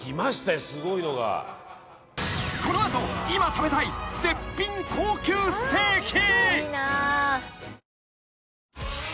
［この後今食べたい絶品高級ステーキ］